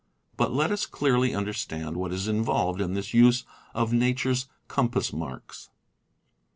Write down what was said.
But let us clearly understand what is involved in this use of nature's compass marks.